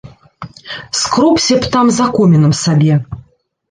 Скробся б там за комінам сабе.